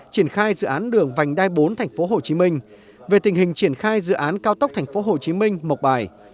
triển khai dự án đường vành đai bốn tp hcm về tình hình triển khai dự án cao tốc tp hcm một bài